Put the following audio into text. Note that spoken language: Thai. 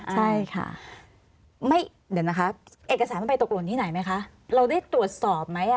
เฉยนะคะเอกสารไปตกลงที่ไหนไหมเราได้ตรวจสอบไหม